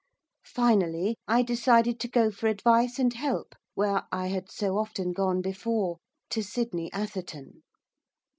Finally, I decided to go for advice and help where I had so often gone before, to Sydney Atherton.